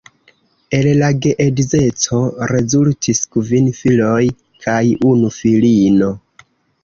El la geedzeco rezultis kvin filoj kaj unu filino.